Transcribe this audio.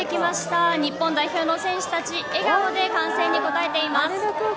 日本代表の選手たち、笑顔で歓声に応えています。